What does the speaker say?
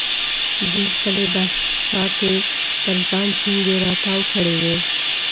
دوی خپلې برساتۍ پر ځان ټینګې را تاو کړې وې.